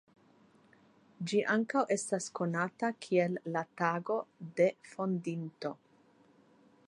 Ĝi ankaŭ estas konata kiel la Tago de Fondinto.